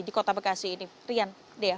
di kota bekasi ini rian dea